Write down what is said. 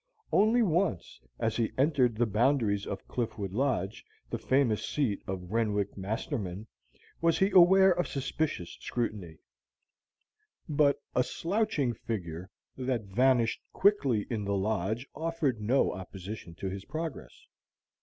Only once, as he entered the boundaries of Cliffwood Lodge, the famous seat of Renwyck Masterman, was he aware of suspicious scrutiny; but a slouching figure that vanished quickly in the lodge offered no opposition to his progress.